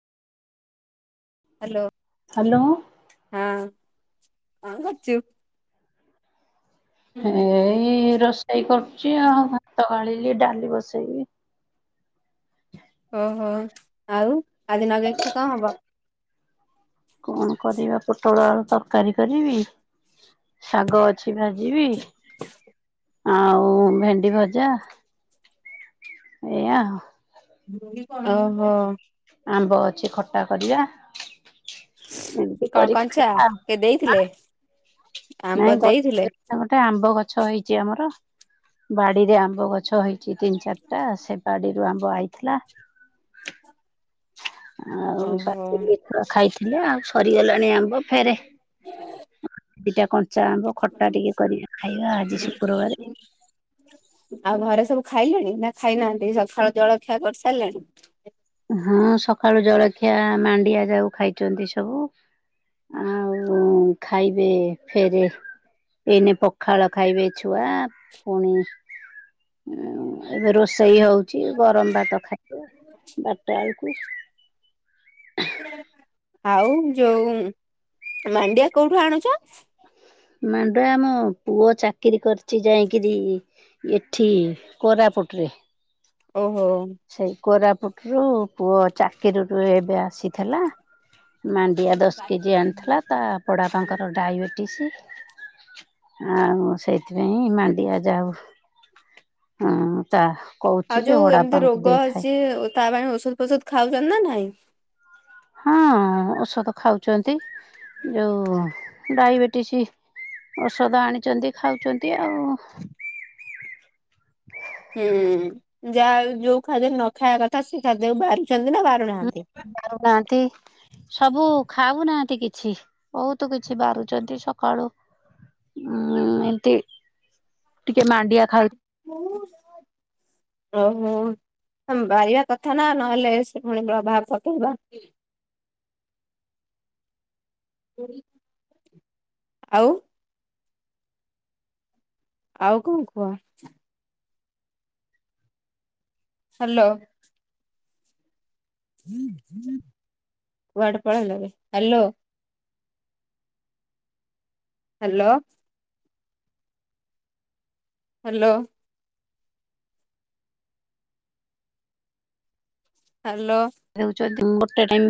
Hello hello ହଁ କଣ କରୁଚୁ? ଏଇ ରୋଷେଇ କରୁଚି ଆଉ ଭା ଗଳିଲି ଡାଲି ବସେଇବି। ଓହୋ ଆଉ ଆଜି ନଗେଇଖିଆ କଣ ହବ? କଣ କରିବା ପୋଟଳ, ଆଳୁ ତରକାରୀ କରିବି ଶାଗ ଅଛି ଭାଜିବି। ଆଉ ଭେଣ୍ଡି ଭଜା ଏଇୟା। ଓହୋ। ଆମ୍ବ ଅଛି ଖଟା କରିଆ। ଏମିତି କଣ କରି କଞ୍ଚା ଖାଇବା ଆଉ। କେ ଦେଇଥିଲେ ଆମ୍ବ ନାଇଁ ଦେଇଥିଲେ? ଗଛ ଗୋଟେ ଆମ୍ବ ଗଛ ହେଇଚି ଆମର ବାଡିରେ ଆମ୍ବ ଗଛ ହେଇ ଚି ତିନି ଚାରିଟା ସେ ବାଡିରୁ ଆମ୍ବ ଆଇଥିଲା। ଆଉ ଓହୋ ବାକୁ ଖାଇଥିଲେ ଆଉ ସରିଗଲା ଣି ଆମ୍ବ ଫେରେ ଦିଟା କ ଚା ଆମ୍ବ ଖଟା ଟିକେ କରିକି ଖାଇବା ଆଜି ଶୁକ୍ରବାରେ। ଆଉ ଘରେ ସବୁ ଖାଇଲେଣି ନା ଖାଇନାହାନ୍ତି ସକାଳୁ ଜଳଖିଆ କରିସାରିଲାଣି। ହଁ ସକାଳୁ ଜଳଖିଆ ମାଣ୍ଡିଆ ଯାଉ ଖାଇଛନ୍ତି ସବୁ। ଆଉ ଖାଇବେ ଫେରେ। ଏଇନେ ପଖାଳ ଖାଇବେ ଛୁଆ ପୁଣି। ଏବେ ରୋଷେଇ ହଉଛି ଗରମ ଭାତ ଖାଇବେ। ଟାଇକୁ। ଆଉ ଯୋଉ ମାଣ୍ଡିଆ କୋଉଠୁ ଆଣୁଛ। ମାଣ୍ଡୁଆ ଆମ ପୁଅ ଚାକିରି କରିଚି ଯାଇକିରି ଏଠି କୋରା। ପୁଟ୍ ରେ। ଓହୋ। କୋରାପୁଟରୁୁ ପୁଅ ଚାକିରିରୁୁ ଏବେ ଆସିଥିଲା। ମାଣ୍ଡିଆ ଦଶ କେଜି ଆଣିଥିଲା ତା ବଡ଼ ବାପା ଙ୍କର ଡାଇବେଟିସି। ଆଉ ସେଇଥିପାଇଁ ମାଣ୍ଡିଆ ଯାଉ ହ ତା। କହୁଛି ଯେ ବଡ଼ । ଏମିତ୍ ରୋଗ ଅଛି ତା ପାଇଁ ଔଷଧ ଫୋଷଧ ଖାଉଛନ୍ତି ନା ନାହିଁ। ହଁ ଔଷଧ ଖାଉଛନ୍ତି ଯୋଉ ଡାଇବେଟିସି। ଔଷଧ ଆଣିଛନ୍ତି ଖାଉଛନ୍ତି ଆଉ। ହୁଁ ଯାହା ଯୋଉ ଖାଦ୍ୟ ନ ଖାଇବା କଥା ସେ ଖାଦ୍ୟକୁ ଭରି। ଛନ୍ତି ନା ବାରୁ ନାହାନ୍ତି। ବାରୁନାହାନ୍ତି ସବୁ ଖାଉନାହାନ୍ତି କିଛି ବହୁତ କିଛି ବାରୁଛନ୍ତି ସକାଳୁ। ଉଁ ଏମତି ଟିକେ ମାଣ୍ଡିଆ ଖାଉଛି। ଓହୋ। ବାହାରିବା କଥା ନା ନହେଲେ ସେ ପୁଣି ପ୍ରଭାବ ପକେଇବା। ଆଉ। ଆଉ କଣ କୁହ? ହ୍ୟାଲୋ। ଗଟ ପଳଲାରେ ହ୍ୟାଲୋ। ହ୍ୟାଲୋ। ହ୍ୟାଲୋ। ହ୍ୟାଲୋ। ଦେଉ ଗୋଟେ ଟାଇମ